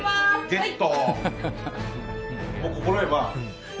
ゲット！